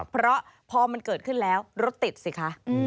เพราะพอมันเกิดขึ้นแล้วรถติดสิคะ